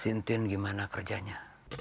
si tintin gimana kerjanya